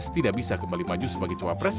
tidak bisa kembali maju sebagai cawa pres